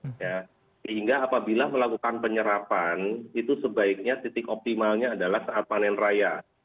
sehingga apabila melakukan penyerapan itu sebaiknya titik optimalnya adalah saat panen raya